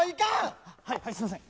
はいはいすいません！